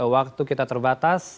waktu kita terbatas